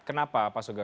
kenapa pak suga